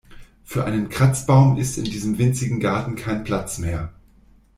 Für einen Kratzbaum ist in diesem winzigen Garten kein Platz mehr.